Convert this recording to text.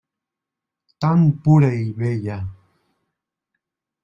Tan pura i bella!